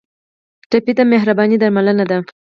ټپي ته مهرباني درملنه ده.